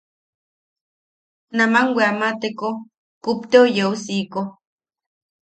Naman weamateko kupteo, yeu siiko.